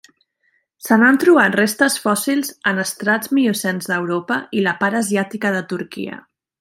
Se n'han trobat restes fòssils en estrats miocens d'Europa i la part asiàtica de Turquia.